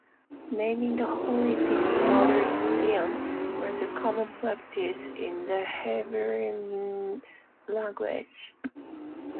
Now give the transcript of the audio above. Naming the holy city "daughter Zion" was a common practice in the Hebrew language.